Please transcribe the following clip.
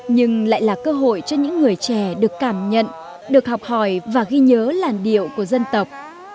nhưng lại là cơ hội cho những người trẻ được cảm nhận được học hỏi và ghi nhớ làn điệu của dân tộc